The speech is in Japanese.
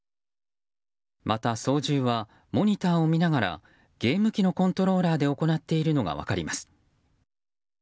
また、操縦はモニターを見ながらゲーム機のコントローラーで行っているのが分かります。